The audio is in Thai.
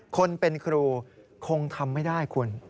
คนเป็นครูคงทำไม่ได้คุณ